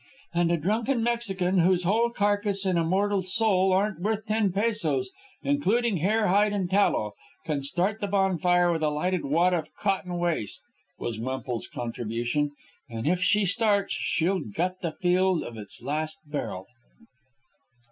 "And a drunken Mexican, whose whole carcass and immortal soul aren't worth ten pesos including hair, hide, and tallow, can start the bonfire with a lighted wad of cotton waste," was Wemple's contribution. "And if ever she starts, she'll gut the field of its last barrel."